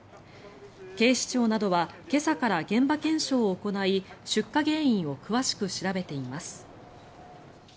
警視庁などは今朝から現場検証を行い出火原因を詳しく調べています。